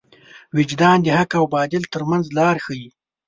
وجدان د حق او باطل تر منځ لار ښيي.